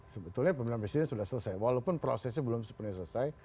sebetulnya pemilihan presiden sudah selesai walaupun prosesnya belum sepenuhnya selesai